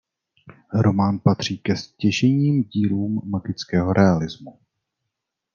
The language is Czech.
Román patří ke stěžejním dílům magického realismu.